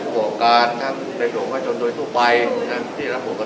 ก็สองทางด้วยกันนั่นเดี๋ยว